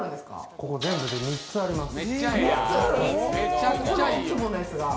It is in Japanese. ここ全部で３つあります。